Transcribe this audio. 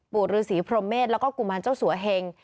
ปุริศรีโพรเมธแล้วก็กุมารเจ้าสัวเฮง